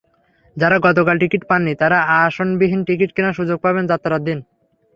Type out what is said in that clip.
যাঁরা গতকাল টিকিট পাননি, তাঁরা আসনবিহীন টিকিট কেনার সুযোগ পাবেন যাত্রার দিন।